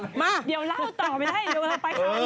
ต่อมาเดี่ยวเล่าต่อไมด้๓๒๑เหมือนกัน